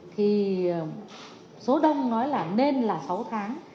thì số đông nói là nên là sáu tháng